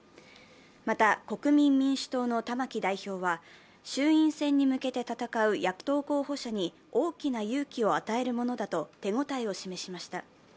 また、国民民主党の玉木代表は、衆院選に向けて戦う野党候補者に大きな勇気を与えるものだと手応えを示しました。